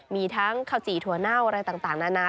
มีทั้งข้าวจี่ถั่วเน่าอะไรต่างนานา